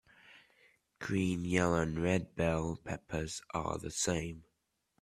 Green, yellow and red bell peppers are the same.